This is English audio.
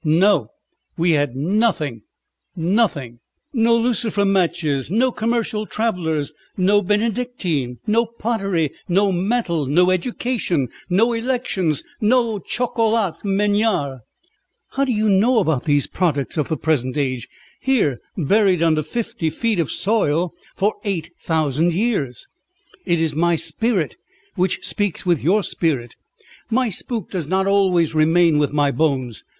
No! we had nothing, nothing no lucifer matches, no commercial travellers, no Benedictine, no pottery, no metal, no education, no elections, no chocolat menier." "How do you know about these products of the present age, here, buried under fifty feet of soil for eight thousand years?" "It is my spirit which speaks with your spirit. My spook does not always remain with my bones.